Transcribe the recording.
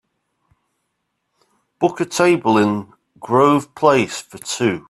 book a table in Grove Place for two